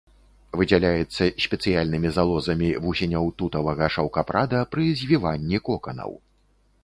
Выдзяляецца спецыяльнымі залозамі вусеняў тутавага шаўкапрада пры звіванні коканаў.